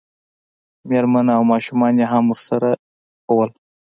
مېرمنه او ماشومان یې هم ورسره وو.